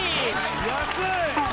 安い！